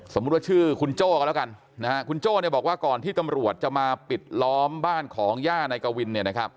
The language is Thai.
สมมุติว่าชื่อคุณโจ้ก็แล้วกันคุณโจ้บอกว่าก่อนที่ตำรวจจะมาปิดล้อมบ้านของย่านายกวิน